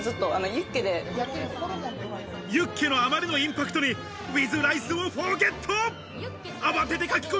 ユッケのあまりのインパクトにウィズライスをフォーゲット。